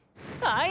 はい！